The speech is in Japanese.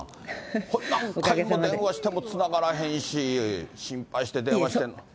何回も電話してもつながらへんし、心配して電話しても。